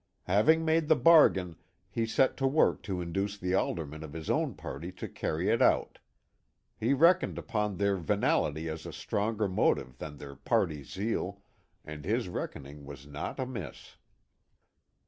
Having made the bargain he set to work to induce the aldermen of his own party to carry it out. He reckoned upon their venality as a stronger motive than their party zeal, and his reckoning was not amiss.